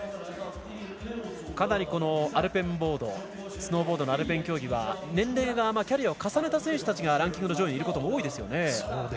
かなりアルペンボードスノーボードのアルペン競技はキャリアを重ねた選手たちがランキングの上位にいることが多いですよね。